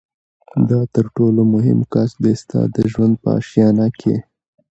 دا تر ټولو مهم کس دی ستا د ژوند په آشیانه کي